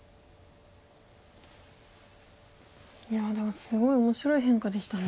いやでもすごい面白い変化でしたね。